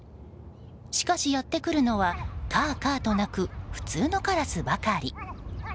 しかし、やってくるのはカーカーと鳴く普通のカラスばかり。